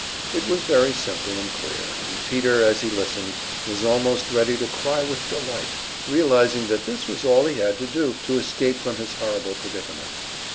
It was very simple and clear, and Peter, as he listened, was almost ready to cry with delight, realizing that this was all he had to do to escape from his horrible predicament.